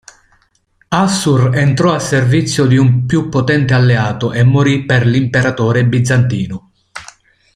Assur entrò a servizio di un più potente alleato e morì per l'imperatore bizantino.